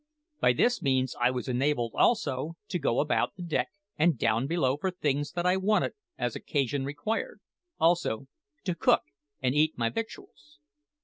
By this means I was enabled, also, to go about the deck and down below for things that I wanted as occasion required; also to cook and eat my victuals.